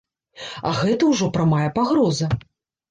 А гэта ўжо прамая пагроза.